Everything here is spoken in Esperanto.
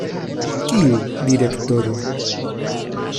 Kiu direktoro?